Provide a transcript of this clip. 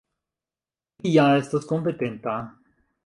Li ja estas kompetenta!